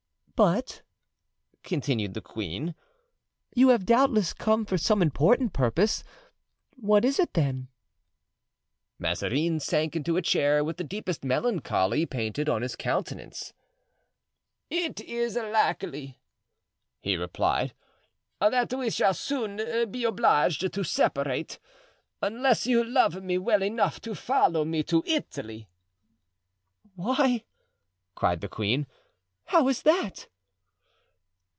"But," continued the queen, "you have doubtless come for some important purpose. What is it, then?" Mazarin sank into a chair with the deepest melancholy painted on his countenance. "It is likely," he replied, "that we shall soon be obliged to separate, unless you love me well enough to follow me to Italy." "Why," cried the queen; "how is that?"